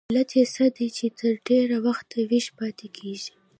علت یې څه دی چې تر ډېره وخته ویښه پاتې کیږي؟